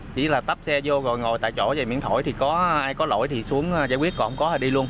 chỉ là tắp xe vô rồi ngồi tại chỗ vậy miễn thổi thì có ai có lỗi thì xuống giải quyết còn không có thì đi luôn